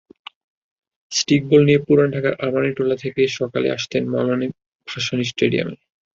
Stickball নিয়ে পুরান ঢাকার আরমানিটোলা থেকে সকালে আসতেন মওলানা ভাসানী স্টেডিয়ামে।